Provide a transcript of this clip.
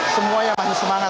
semua yang masih semangat